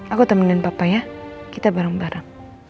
aku temenin bapak ya kita bareng bareng